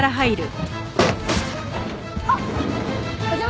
あっ！